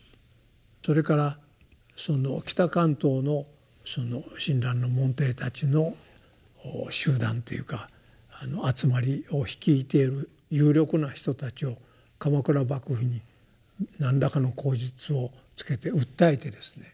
それからその北関東の親鸞の門弟たちの集団というか集まりを率いている有力な人たちを鎌倉幕府に何らかの口実をつけて訴えてですね